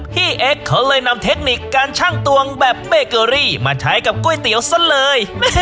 เอ็กซ์เขาเลยนำเทคนิคการชั่งตวงแบบเบเกอรี่มาใช้กับก๋วยเตี๋ยวซะเลย